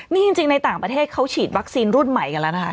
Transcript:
นี่จริงในต่างประเทศเขาฉีดวัคซีนรุ่นใหม่กันแล้วนะคะ